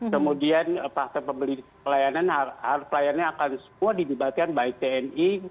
kemudian faktor pelayanan harus pelayanannya akan semua didibatkan baik tni